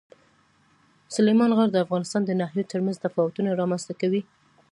سلیمان غر د افغانستان د ناحیو ترمنځ تفاوتونه رامنځ ته کوي.